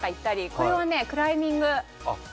これはクライミング。